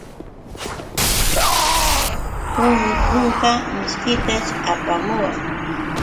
Yunka mishkitash apamuwan.